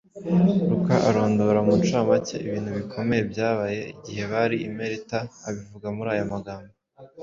Luka arondora mu ncamake ibintu bikomeye byabaye igihe bari i Melita. Abivuga muri aya magambo: